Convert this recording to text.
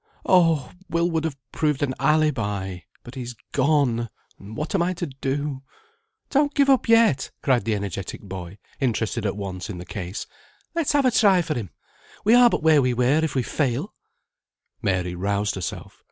"Oh! Will would have proved an alibi, but he's gone, and what am I to do?" "Don't give it up yet," cried the energetic boy, interested at once in the case; "let's have a try for him. We are but where we were if we fail." Mary roused herself.